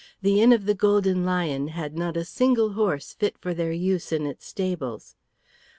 The inn of "The Golden Lion" had not a single horse fit for their use in its stables.